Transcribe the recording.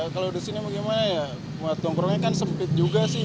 kalau disini mah gimana ya nongkrongnya kan sempit juga sih